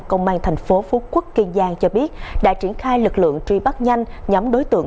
công an thành phố phú quốc kiên giang cho biết đã triển khai lực lượng truy bắt nhanh nhóm đối tượng